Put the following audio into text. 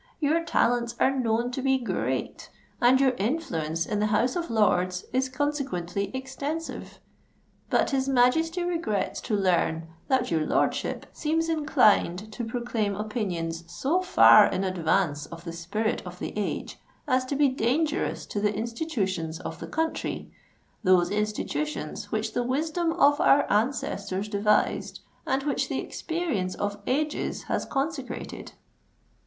"Your talents are known to be great—and your influence in the House of Lords is consequently extensive. But his Majesty regrets to learn that your lordship seems inclined to proclaim opinions so far in advance of the spirit of the age as to be dangerous to the institutions of the country—those institutions which the wisdom of our ancestors devised, and which the experience of ages has consecrated."